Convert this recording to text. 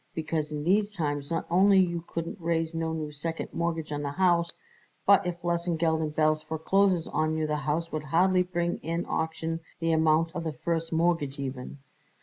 Because in these times not only you couldn't raise no new second mortgage on the house, but if Lesengeld and Belz forecloses on you the house would hardly bring in auction the amount of the first mortgage even."